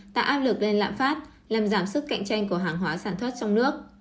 tạo áp lực lên lạm phát làm giảm sức cạnh tranh của hàng hóa sản xuất trong nước